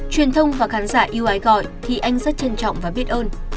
truyền thông và khán giả yêu ái gọi thì anh rất trân trọng và biết ơn